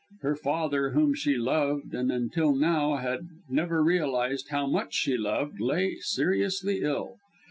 Her father, whom she loved and, until now, had never realized how much she loved lay seriously ill.